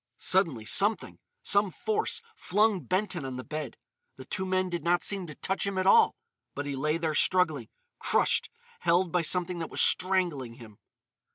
Suddenly something—some force—flung Benton on the bed. The two men did not seem to touch him at all, but he lay there struggling, crushed, held by something that was strangling him.